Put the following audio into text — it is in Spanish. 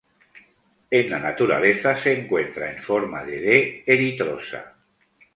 En la naturaleza se encuentra en forma de D-eritrosa.